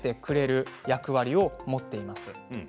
その役割を持っています。